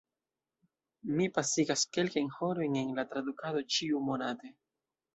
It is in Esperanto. Mi pasigas kelkajn horojn en la tradukado ĉiumonate.